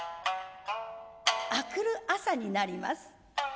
あくる朝になります。